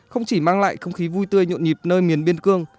không chỉ mang lại không khí vui tươi nhộn nhịp nơi miền biên cương